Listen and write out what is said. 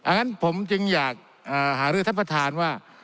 งั้นผมจึงอยากหารือท่านประธานว่า